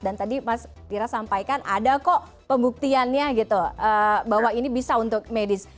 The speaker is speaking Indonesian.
tadi mas dira sampaikan ada kok pembuktiannya gitu bahwa ini bisa untuk medis